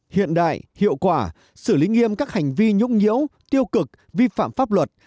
hiện đại hiệu quả xử lý nghiêm các hành vi nhũng nhiễu tiêu cực vi phạm pháp luật